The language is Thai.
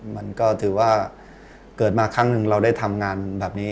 มันก็ถือว่าเกิดมาครั้งหนึ่งเราได้ทำงานแบบนี้